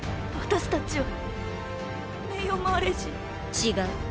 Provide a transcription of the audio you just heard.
違う。